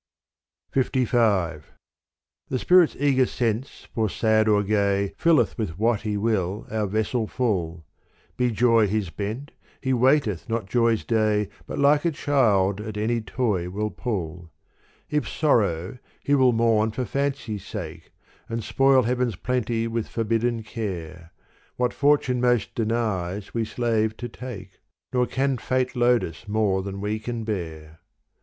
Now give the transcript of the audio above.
LV The spirit's eager sense for sad or gay Filleth with what he will our vessel full : Be joy his bent, he waiteth not joy's day But like a child at any toy will pull : If sorrow, he will mourn for fancy's sake And spoil heaven's plenty with forbidden care. What fortune most denies we slave to take : Nor can fate load us more than we can bear.